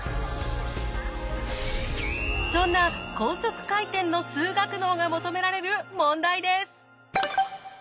そんな高速回転の数学脳が求められる問題です。